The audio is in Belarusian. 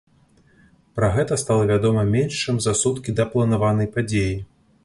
Пра гэта стала вядома менш чым за суткі да планаванай падзеі.